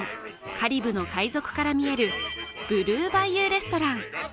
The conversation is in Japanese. カリブの海賊から見えるブルーバイユー・レストラン。